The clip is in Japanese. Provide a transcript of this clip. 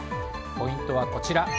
ポイントはこちら。